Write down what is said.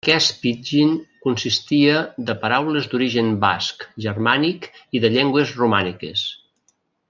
Aquest pidgin consistia de paraules d'origen basc, germànic, i de llengües romàniques.